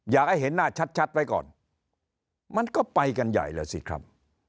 อยากให้เห็นหน้าชัดไว้ก่อนมันก็ไปกันใหญ่แล้วสิครับ